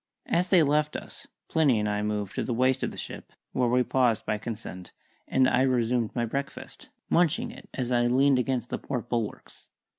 As they left us, Plinny and I moved to the waist of the ship, where we paused by consent, and I resumed my breakfast, munching it as I leaned against the port bulwarks.